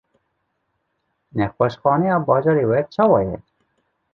Nexweşxaneya bajarê we çawa ye?